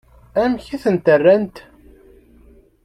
Amek i tent-rrant?